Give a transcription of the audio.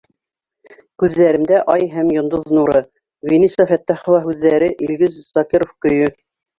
Күҙҙәремдә — ай һәм йондоҙ нуры, Виниса Фәттәхова һүҙҙәре Илгиз Закиров көйө